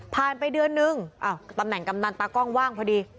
ไปเดือนนึงตำแหน่งกำนันตากล้องว่างพอดี